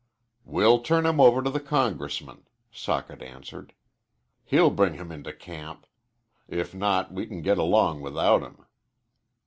"We'll turn him over to the Congressman," Socket answered. "He'll bring him into camp. If not we can get along without him."